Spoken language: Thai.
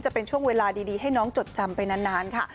จะเป็นช่วงเวลาดีให้น้องจดจำไปนานค่ะ